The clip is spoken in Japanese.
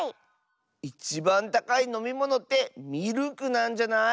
いちばんたかいのみものってミルクなんじゃない？